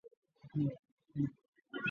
他的演艺生涯开始于即兴剧场。